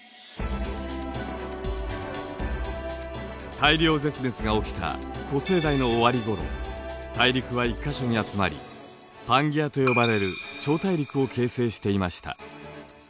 大量絶滅が起きた古生代の終わり頃大陸は１か所に集まりパンゲアと呼ばれる超大陸を形成していました。